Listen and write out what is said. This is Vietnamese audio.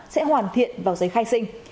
sẽ hoàn thiện vào giấy khai sinh